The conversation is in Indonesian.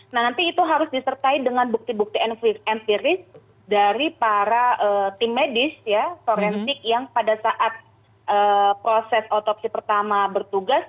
nah nanti itu harus disertai dengan bukti bukti empiris dari para tim medis ya forensik yang pada saat proses otopsi pertama bertugas